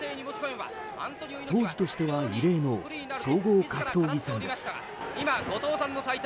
当時としては異例の総合格闘技戦です。